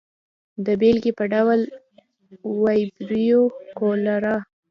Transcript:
د بېلګې په ډول وبریو کولرا.